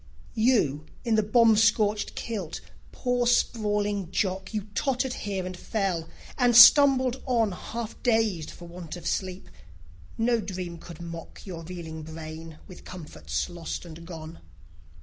You in the bomb scorched kilt, poor sprawling Jock, You tottered here and fell, and stumbled on, Half dazed for want of sleep. No dream could mock Your reeling brain with comforts lost and gone.